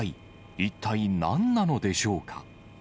一体なんなのでしょうか。